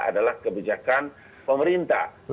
adalah kebijakan pemerintah